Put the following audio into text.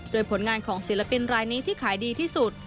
โดยผลงานของศิลปินรายนี้ที่ขายดีที่สุด